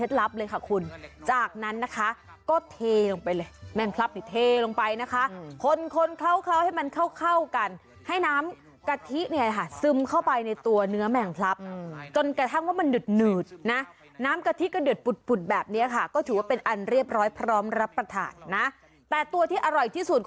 ถ้าจะใส่เครื่องต่างเนอะโอ๊ยเด่น